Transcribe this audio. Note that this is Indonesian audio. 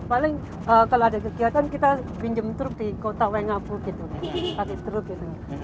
paling kalau ada kegiatan kita pinjem truk di kota wangapu gitu pakai truk gitu